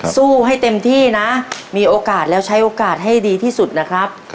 สู้ให้เต็มที่นะมีโอกาสแล้วใช้โอกาสให้ดีที่สุดนะครับ